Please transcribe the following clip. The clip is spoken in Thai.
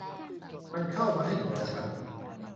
มันเข้ามาให้หัวฉัน